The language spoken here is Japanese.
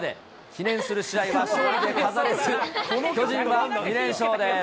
記念する試合は勝利で飾れず、巨人は２連勝です。